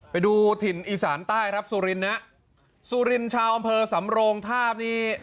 ไปดูถิ่นอีสานใต้ครับสุรินนะสุรินชาวอำเภอสำโรงทาบนี่